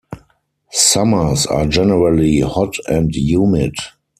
Summers are generally hot and humid.